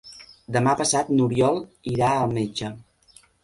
Demà passat n'Oriol irà al metge.